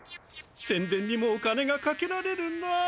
せんでんにもお金がかけられるなあ。